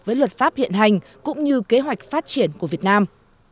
với luật pháp hiện hành cũng như kế hoạch phát triển của việt nam